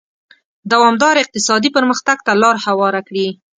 دوامداره اقتصادي پرمختګ ته لار هواره کړي.